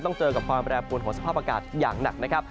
เจอกับความแปรปวนของสภาพอากาศอย่างหนักนะครับ